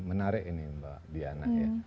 menarik ini mbak diana ya